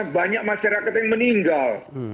banyak masyarakat yang meninggal